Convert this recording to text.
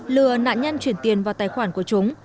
lừa nạn nhân chuyển tiền vào tài khoản của chúng